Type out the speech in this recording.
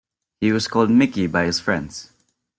He was called Mickey by his friends.